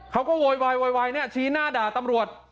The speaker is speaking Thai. เขาก็โวยวายชี้หน้าด่าตำรวจ